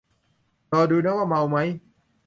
รอดูนะว่าเมามั้ย